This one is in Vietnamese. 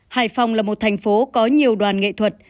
hải phòng là một thành phố có nhiều đoàn nghệ thuật